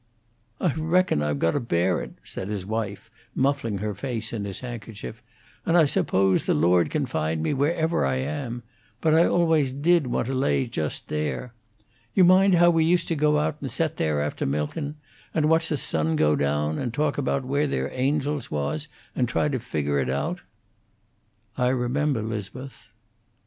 "I reckon I got to bear it," said his wife, muffling her face in his handkerchief. "And I suppose the Lord kin find me, wherever I am. But I always did want to lay just there. You mind how we used to go out and set there, after milkin', and watch the sun go down, and talk about where their angels was, and try to figger it out?" "I remember, 'Liz'beth."